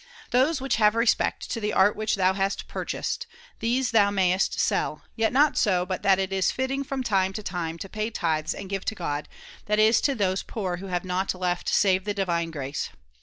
Those which have respect to the art which thou hast purchased, these thou mayest sell, yet not so but that it is fitting from time to time to pay tithes and give to God, that is to those poor who have nought left save the divine grace.